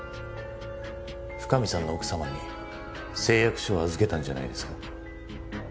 深海さんの奥様に誓約書を預けたんじゃないですか？